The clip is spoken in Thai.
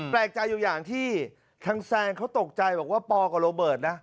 แปลกใจอยู่อย่างที่ทางแซนเขาตกใจบอกว่าปอกับโรเบิร์ตนะ